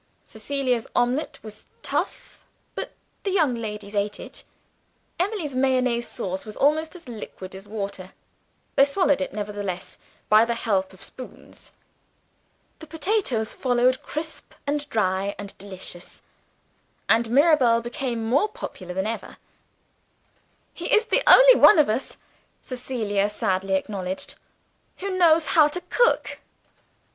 Cecilia's omelet was tough but the young ladies ate it. Emily's mayonnaise sauce was almost as liquid as water they swallowed it nevertheless by the help of spoons. The potatoes followed, crisp and dry and delicious and Mirabel became more popular than ever. "He is the only one of us," Cecilia sadly acknowledged, "who knows how to cook."